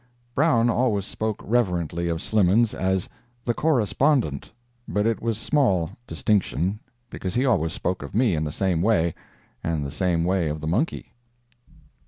Brown always spoke reverently of Slimmens as "the correspondent"—but it was small distinction, because he always spoke of me in the same way, and the same way of the monkey.